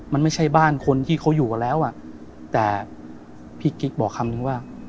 มันไม่ใช่บ้านคนที่เขาอยู่กันแล้วอ่ะแต่พี่กิ๊กบอกคำนึงว่า